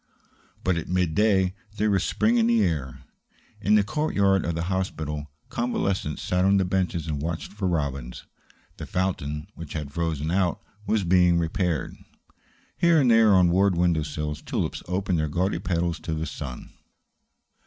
But at mid day there was spring in the air. In the courtyard of the hospital, convalescents sat on the benches and watched for robins. The fountain, which had frozen out, was being repaired. Here and there on ward window sills tulips opened their gaudy petals to the sun.